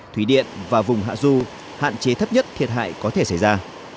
thủy điện và vùng hạ du hạn chế thấp nhất thiệt hại có thể xảy ra